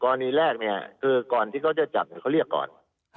แรกเนี่ยคือก่อนที่เขาจะจับเขาเรียกก่อน